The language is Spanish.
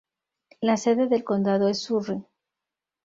La sede del condado es Surry.